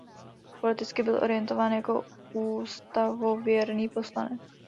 Politicky byl orientován jako ústavověrný poslanec.